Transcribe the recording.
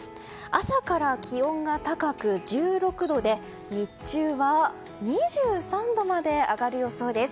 朝から気温が高く１６度で日中は２３度まで上がる予想です。